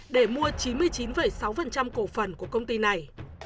để mua chín mươi chín sáu cổ phần của công ty này